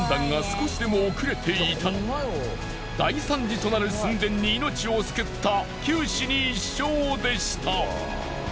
大惨事となる寸前に命を救った九死に一生でした。